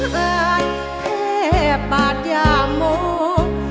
แพ้ปาดยามง